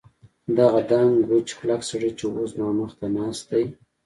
دغه دنګ وچ کلک سړی چې اوس زما مخ ته ناست دی.